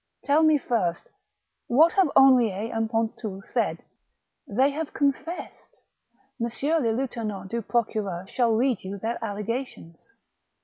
Tell me first, what have Henriet and Ponton said?" " They have confessed. M. le Lieutenant du Pro cureur shall read j ou their allegations."